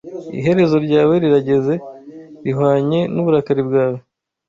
Iherezo ryawe rirageze, rihwanye n’uburakari bwawe